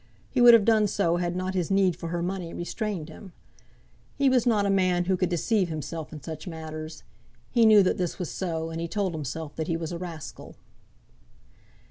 He would have done so had not his need for her money restrained him. He was not a man who could deceive himself in such matters. He knew that this was so, and he told himself that he was a rascal.